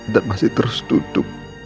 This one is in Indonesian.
dan masih terus duduk